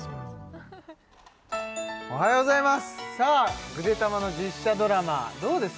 おはようございます